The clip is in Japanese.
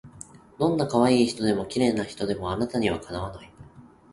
どんない可愛い人でも綺麗な人でもあなたには敵わない